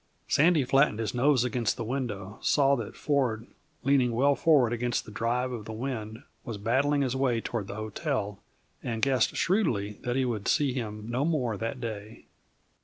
Sandy flattened his nose against the window, saw that Ford, leaning well forward against the drive of the wind, was battling his way toward the hotel, and guessed shrewdly that he would see him no more that day.